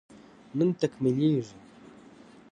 نن تکميلېږي